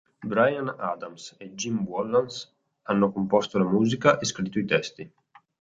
Bryan Adams e Jim Vallance hanno composto la musica e scritto i testi.